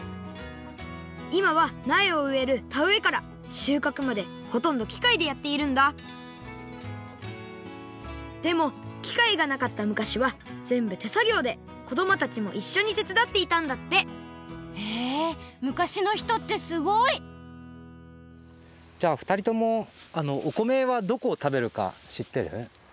いまはなえをうえるたうえからしゅうかくまでほとんどきかいでやっているんだでもきかいがなかった昔はぜんぶてさぎょうでこどもたちもいっしょにてつだっていたんだってへえ昔の人ってすごい！じゃあふたりともお米はどこをたべるかしってる？